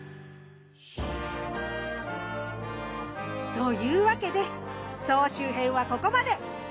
というわけで総集編はここまで！